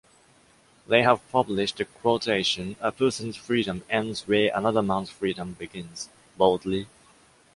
They have published the quotation ""A person's freedom ends where another man's freedom begins."" boldly.